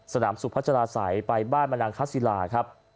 สนามสุขพระจราษัยไปบ้านมนังคสิลาครับ